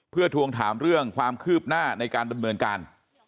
เพื่อทวงถามเรื่องความคืบหน้าในการดำเนินการ